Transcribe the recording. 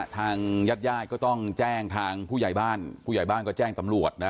ทางญาติญาติก็ต้องแจ้งทางผู้ใหญ่บ้านผู้ใหญ่บ้านก็แจ้งตำรวจนะ